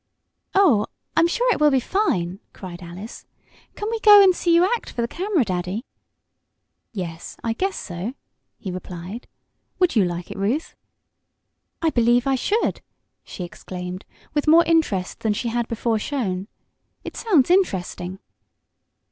"Oh, I'm sure it will be fine!" cried Alice. "Can we go and see you act for the camera, Daddy?" "Yes, I guess so," he replied. "Would you like it, Ruth?" "I believe I should!" she exclaimed, with more interest than she had before shown. "It sounds interesting."